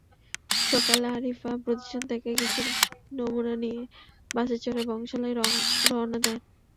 সকালে আরিফ প্রতিষ্ঠান থেকে কিছু নমুনা নিয়ে বাসে চড়ে বংশালে রওনা দেন।